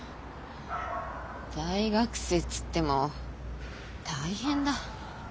大学生っつっても大変だ。